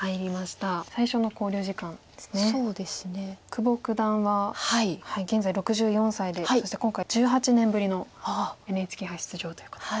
久保九段は現在６４歳でそして今回１８年ぶりのＮＨＫ杯出場ということで。